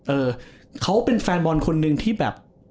เออเขาเป็นแฟนบอลคนหนึ่งที่แบบ